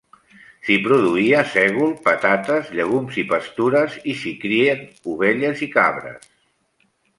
S'hi produïa sègol, patates, llegums i pastures, i s'hi crien ovelles i cabres.